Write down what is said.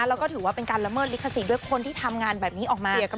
แล้วก็ถือว่าเป็นการละเมิดลิขสิทธิ์ด้วยคนที่ทำงานแบบนี้ออกมา